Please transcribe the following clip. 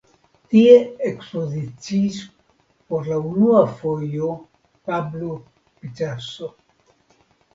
Tie ekspoziciis por la unua fojo Pablo Picasso.